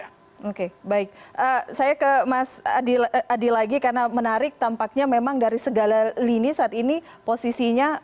oke baik saya ke mas adi lagi karena menarik tampaknya memang dari segala lini saat ini posisinya